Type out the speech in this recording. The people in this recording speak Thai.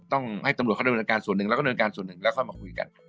ต้องให้ตำรวจเขาดำเนินการส่วนหนึ่งแล้วก็เนินการส่วนหนึ่งแล้วค่อยมาคุยกัน